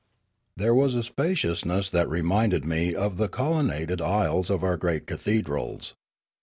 There was a spaciousness that reminded me of the colonnaded aisles of our great cathedrals.